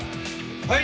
はい！